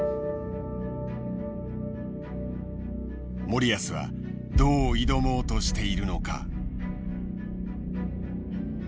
森保はどう挑もうとしているのか。